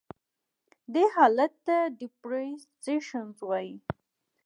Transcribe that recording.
دې حالت ته Depreciation وایي.